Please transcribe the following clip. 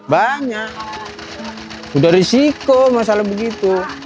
banyak sudah risiko masalah begitu